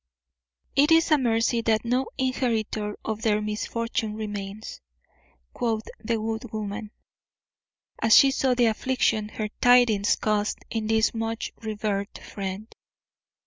"It is a mercy that no inheritor of their misfortune remains," quoth the good woman, as she saw the affliction her tidings caused in this much revered friend.